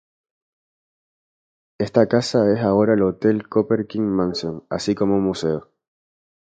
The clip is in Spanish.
Esta casa es ahora el hotel "Copper King Mansion", así como un museo.